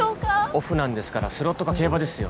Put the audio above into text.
オフなんですからスロットか競馬ですよ。